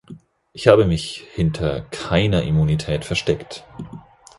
Ich habe mich hinter keiner Immunität versteckt.